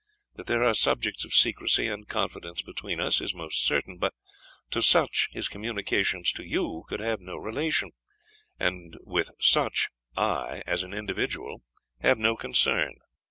That there are subjects of secrecy and confidence between us, is most certain; but to such, his communications to you could have no relation; and with such, I, as an individual, have no concern."